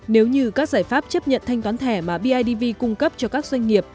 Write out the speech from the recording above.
nếu như các giải pháp chấp nhận thanh toán thẻ mà bidv cung cấp cho các doanh nghiệp